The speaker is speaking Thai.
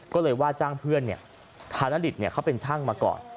ก็เลยว่าจ้างเพื่อนธานดิตเขาเป็นช่างมาก่อน